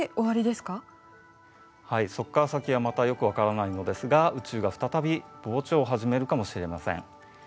はいそこから先はまたよく分からないのですが宇宙が再び膨張をはじめるかもしれません。